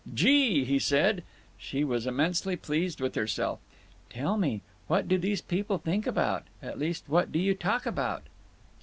"Gee!" he said. She was immensely pleased with herself. "Tell me, what do these people think about; at least, what do you talk about?"